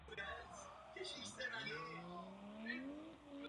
Po této události byla hlavním městem ustanovena Antigua Guatemala.